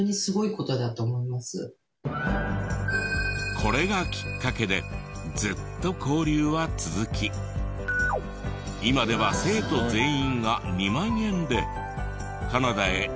これがきっかけでずっと交流は続き今では生徒全員が２万円でカナダへ２週間の短期留学を。